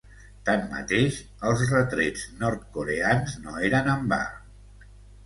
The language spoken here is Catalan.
Tanmateix, els retrets nord-coreans no eren en va.